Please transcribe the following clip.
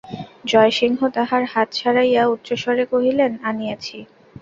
জয়সিংহ তাঁহার হাত ছাড়াইয়া উচ্চস্বরে কহিলেন, আনিয়াছি।